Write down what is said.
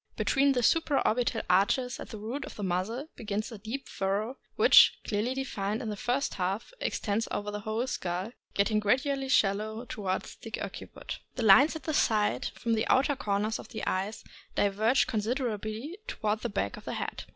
Between the supra orbital arches at the root of the muzzle begins a deep fur row, which, clearly denned in the first half, extends over the whole skull, getting gradually shallow toward the occiput. The lines at the sides, from the outer corners of the eyes, diverge considerably toward the back of the head.